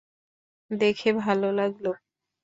দেখে ভাল লাগল।